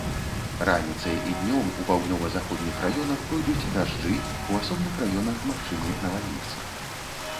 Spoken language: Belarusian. Раніцай і днём у паўднёва-заходніх раёнах пройдуць дажджы, у асобных раёнах магчымы навальніцы.